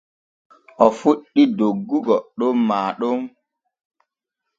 O fuɗɗi doggugo ɗon maa ɗon.